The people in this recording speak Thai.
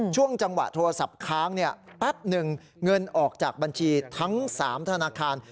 ช่วงจังหวะโทรศัพท์ค้างแป๊บหนึ่งเงินออกจากบัญชีทั้ง๓ธนาคาร